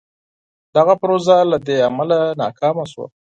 دغه پروژه له دې امله ناکامه شوه.